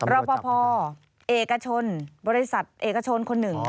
รอปภเอกชนบริษัทเอกชนคนหนึ่ง